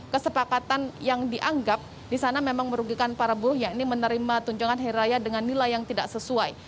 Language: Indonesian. kesepakatan yang dianggap disana memang merugikan para buruh yakni menerima tunjungan heraya dengan nilai yang tidak sesuai